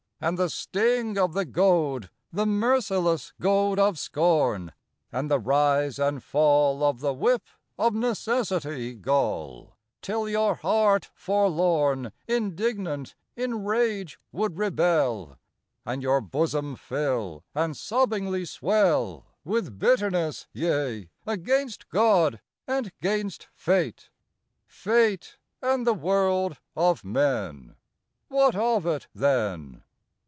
And the sting of the goad, The merciless goad of scorn, And the rise and fall Of the whip of necessity gall, Till your heart, forlorn, Indignant, in rage would rebel? And your bosom fill, And sobbingly swell, With bitterness, yea, against God and 'gainst Fate, Fate, and the world of men, What of it then?...